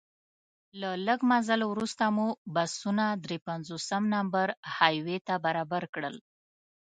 له لږ مزل وروسته مو بسونه درې پنځوس نمبر های وې ته برابر شول.